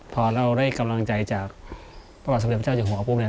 พอเราได้กำลังใจจากพระอาทิตย์พระเจ้าจังหัวปุ๊บเนี่ย